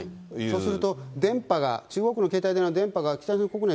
そうすると、電波が、中国の携帯電話の電波が北朝鮮国内、